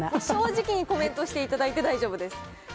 正直にコメントしていただいて大丈夫です。